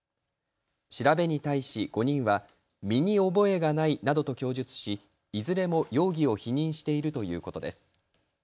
調べに対し５人は身に覚えがないなどと供述し、いずれも容疑を否認しているということです。